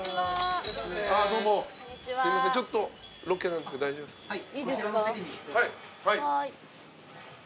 はい。